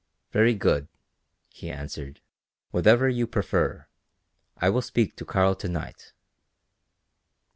"Very good," he answered; "whatever you prefer. I will speak to Karl to night."